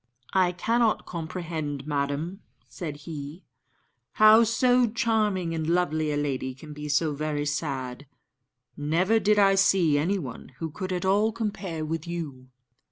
"I cannot comprehend, madam," said he, "how so charming and lovely a lady can be so very sad. Never did I see anyone who could at all compare with you."